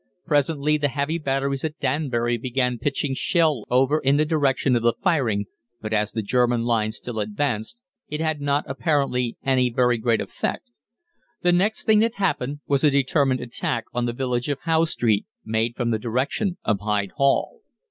Presently the heavy batteries at Danbury began pitching shell over in the direction of the firing, but as the German line still advanced, it had not apparently any very great effect. The next thing that happened was a determined attack on the village of Howe Street made from the direction of Hyde Hall.